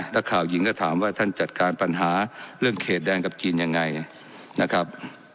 นักข่าวหญิงก็ถามว่าท่านจัดการปัญหาเรื่องเขตแดงกับจีนยังไงนะครับ